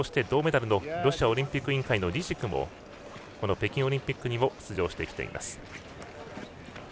銅メダルのロシアオリンピック委員会のリジクも北京オリンピックにも出場してきています。